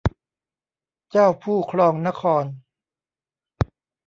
เจ้าผู้ครองนคร